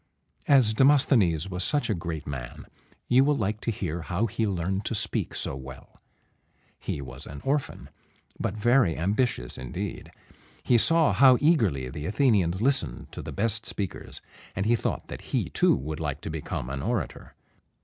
As Demosthenes was such a great man, you will like to hear how he learned to speak so well. He was an orphan, but very ambitious indeed. He saw how eagerly the Athenians listened to the best speakers, and he thought that he too would like to become an orator.